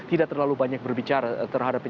tidak terlalu banyak berbicara terhadap